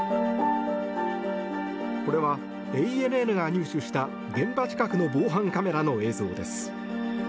これはＡＮＮが入手した現場近くの防犯カメラの映像です。